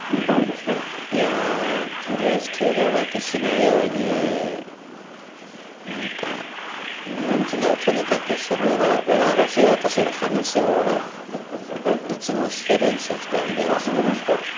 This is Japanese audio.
とりあえずけがだけしないようにとにかくその場を終わらせようとする話をいつもしてるんですよ、２人では。